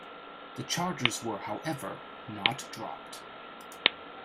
The charges were however, not dropped.